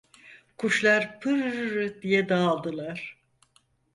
Kuşlar pırrr diye dağıldılar.